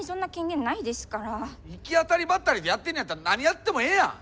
行き当たりばったりでやってんねやったら何やってもええやん！